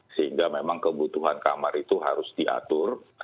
sehingga memang kebutuhan kamar itu harus diatur